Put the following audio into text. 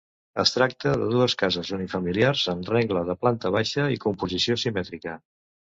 Es tracta de dues cases unifamiliars en rengle de planta baixa i composició simètrica.